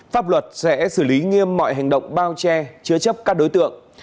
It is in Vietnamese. pháp luật sẽ xử lý nghiêm mọi hành động bao che chứa chấp các đối tượng